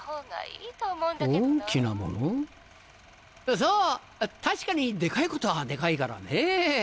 そう確かにデカいことはデカいからねぇ。